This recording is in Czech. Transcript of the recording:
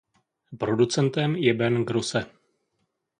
Producentem je Ben Grosse.